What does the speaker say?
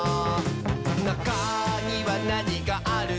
「なかにはなにがあるのかな？」